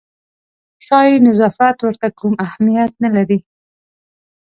ښایي نظافت ورته کوم اهمیت نه لري.